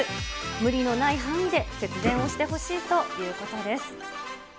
無理のない範囲で節電をしてほしいということです。